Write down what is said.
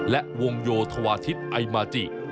และวงโยธวาทิศไอมาจิ